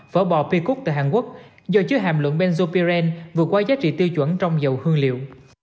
phở bò p cook từ hàn quốc do chứa hàm luận benzopyrin vượt qua giá trị tiêu chuẩn trong dầu hương liệu